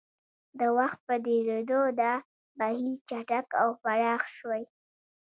د وخت په تېرېدو دا بهیر چټک او پراخ شوی.